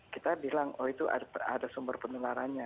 kita bilang oh itu ada sumber penularannya